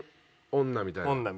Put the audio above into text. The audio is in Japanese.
女みたいな。